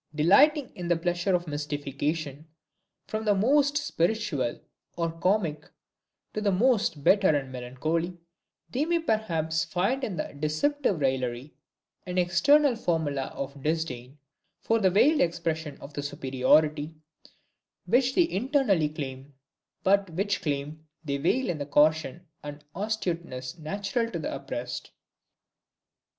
Delighting in the pleasure of mystification, from the most spiritual or comic to the most bitter and melancholy, they may perhaps find in this deceptive raillery an external formula of disdain for the veiled expression of the superiority which they internally claim, but which claim they veil with the caution and astuteness natural to the oppressed.